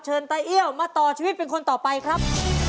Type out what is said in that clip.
ตาเอี้ยวมาต่อชีวิตเป็นคนต่อไปครับ